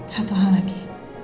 satu hal lagi